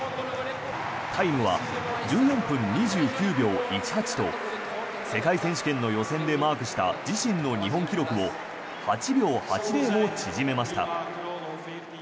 タイムは１４分２９秒１８と世界選手権の予選でマークした自身の日本記録を８秒８０も縮めました。